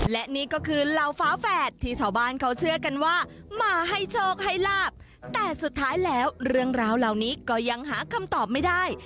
และนี่ก็คือเหล่าฟ้าแฝดที่ชาวบ้านเขาเชื่อกันว่ามาให้โชคให้ลาบแต่สุดท้ายแล้วเรื่องราวเหล่านี้ก็ยังหาคำตอบไม่ได้